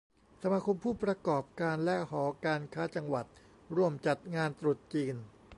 สมาคมผู้ประกอบการและหอการค้าจังหวัดร่วมจัดงานตรุษจีน